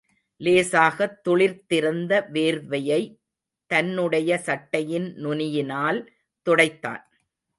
லேசாகத் துளிர்த்திருந்த வேர்வையைத் தன்னுடைய சட்டையின் நுனியினால் துடைத்தான்.